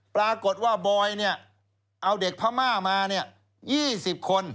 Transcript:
ปรากฏว่าบอยย์นี่เอาเด็กพม่ามานี่๒๐คน